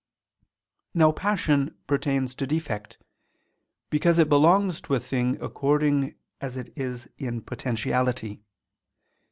Now passion pertains to defect, because it belongs to a thing according as it is in potentiality.